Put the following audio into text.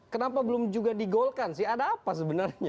kenapa belum juga digolkan sih ada apa sebenarnya